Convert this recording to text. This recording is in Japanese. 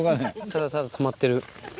ただただ止まってる。